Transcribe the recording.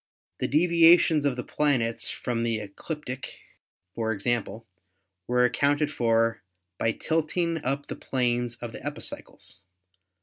The deviations of the planets from the ecliptic, for example, were accounted for by tilting up the planes of the epicycles.